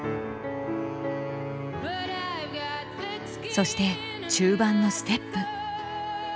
そして中盤のステップ。